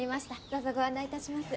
どうぞご案内いたします。